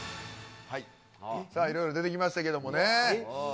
いろいろ出てきましたけどもね。